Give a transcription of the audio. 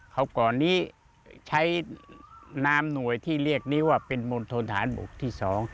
เขาก่อนนี้ใช้นามหน่วยที่เรียกนี้ว่าเป็นมณฑนฐานบกที่๒